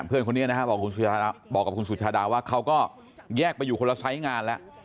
เพื่อนคนนี้นะครับบอกคุณบอกกับคุณสุชาดาว่าเขาก็แยกไปอยู่คนละไซส์งานแล้ว